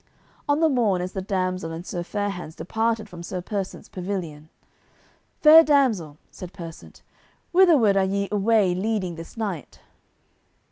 On the morn as the damsel and Sir Fair hands departed from Sir Persant's pavilion, "Fair damsel," said Persant, "whitherward are ye away leading this knight?"